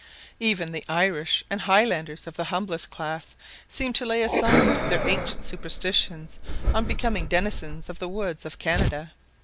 Even the Irish and Highlanders of the humblest class seem to lay aside their ancient superstitions on becoming denizens of the woods of Canada.